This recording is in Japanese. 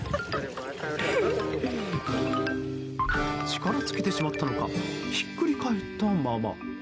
力尽きてしまったのかひっくり返ったまま。